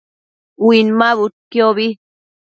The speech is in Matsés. Uinmabudquiobi